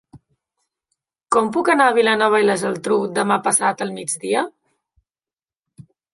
Com puc anar a Vilanova i la Geltrú demà passat al migdia?